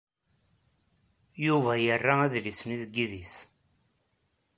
Yuba yerra adlis-nni deg yidis.